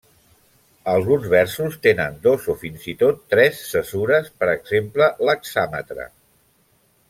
Alguns versos tenen dos o, fins i tot, tres cesures, per exemple, l'hexàmetre.